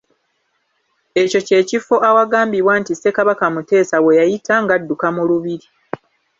Ekyo kye kifo awagambibwa nti Ssekabaka Muteesa we yayita ng’adduka mu lubiri.